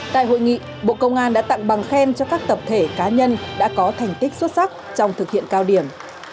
tại hội nghị bộ công an đã tặng bằng khen cho các tập thể cá nhân đã có thành tích xuất sắc trong thực hiện cao điểm